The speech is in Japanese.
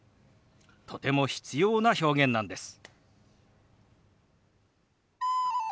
とても必要な表現なんです。